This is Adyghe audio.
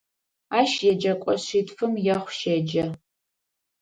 Ащ еджэкӏо шъитфым ехъу щеджэ.